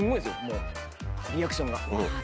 もうリアクションが「わ！」。